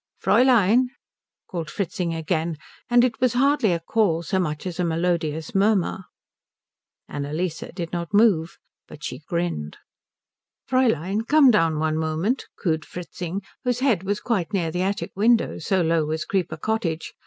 "Fräulein," called Fritzing again; and it was hardly a call so much as a melodious murmur. Annalise did not move, but she grinned. "Fräulein, come down one moment," cooed Fritzing, whose head was quite near the attic window so low was Creeper Cottage.